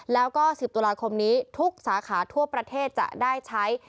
แล้วก็๑๐ตุลาคมนี้ทุกสาขาทั่วประเทศจะได้ใช้